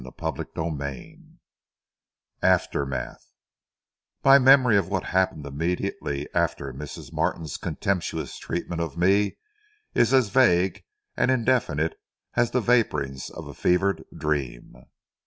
CHAPTER X AFTERMATH My memory of what happened immediately after Mrs. Martin's contemptuous treatment of me is as vague and indefinite as the vaporings of a fevered dream.